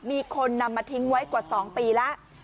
มีคนนำมาทิ้งไว้กว่า๒ปีแล้ว